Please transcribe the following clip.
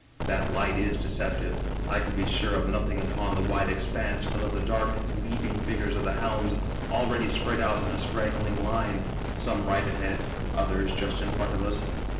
That light is deceptive ; I could be sure of nothing upon the wide expanse but of the dark, leaping figures of the hounds already spread out in a strag g^ling line, some right ahead, others just in front of us.